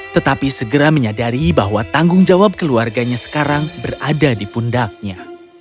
tetapi segera menyadari bahwa tanggung jawab keluarganya sekarang berada di pundaknya